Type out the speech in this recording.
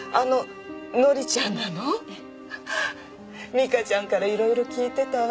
美香ちゃんから色々聞いてたわ。